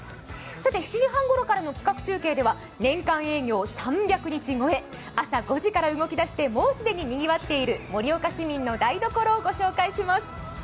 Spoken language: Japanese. さて、７時半ごろからの企画中継では、年間営業３００日超え、朝５時から動き出してもう既ににぎわっている盛岡市民の台所を御紹介します。